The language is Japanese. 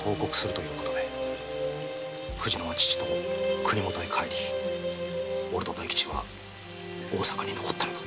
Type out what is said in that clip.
藤乃は父と国もとへ帰り俺と大吉は大坂に残ったのだ。